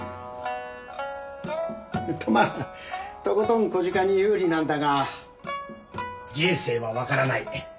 とまあとことん小鹿に有利なんだが人生はわからない。